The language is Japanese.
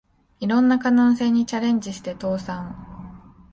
いろんな可能性にチャレンジして倒産